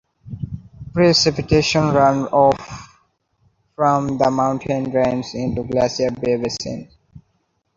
Precipitation runoff from the mountain drains into Glacier Bay Basin.